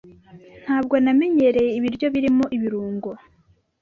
Ntabwo namenyereye ibiryo birimo ibirungo.